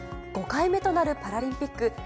５回目となるパラリンピック。